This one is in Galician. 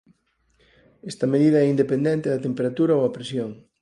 Esta medida é independente da temperatura ou a presión.